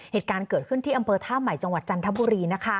เหตุการณ์เกิดขึ้นที่อำเภอท่าใหม่จังหวัดจันทบุรีนะคะ